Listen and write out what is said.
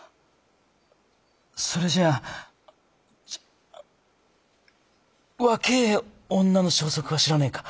それじゃあ若え女の消息は知らねえか？